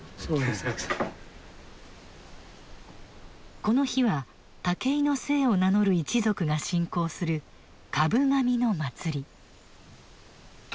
この日は竹井の姓を名乗る一族が信仰する株神の祭り。